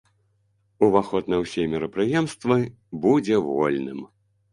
Уваход на ўсе мерапрыемствы будзе вольным.